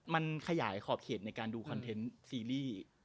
มันขยายขอบเขตในการดูคอนเทนต์ซีรีส์